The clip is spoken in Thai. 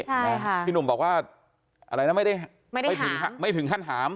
ใช่ค่ะพี่หนุ่มบอกว่าอะไรนะไม่ได้ไม่ถึงขั้นถาม